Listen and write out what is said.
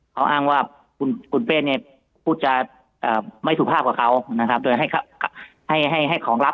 เขาอ้างว่าคุณเป้นพูดจะไม่ถูกภาพกับเขาโดยให้ของรับ